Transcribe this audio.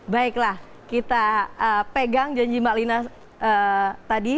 baiklah kita pegang janji mbak lina tadi